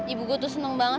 ibu gue tuh seneng banget